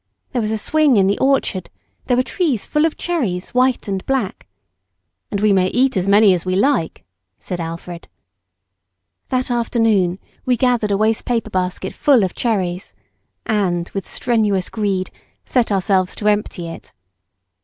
There was a swing in the orchard, there were trees full of cherries, white and black. "And we may eat as many as we like," said Alfred. That afternoon we gathered a waste paper basket full of cherries, and, with strenuous greed, set ourselves to empty it.